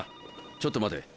ちょっと待て。